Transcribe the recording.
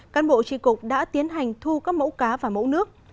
cán bộ tri cục đã tiến hành thu các mẫu cá và mẫu nước